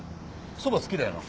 そば好きだよな？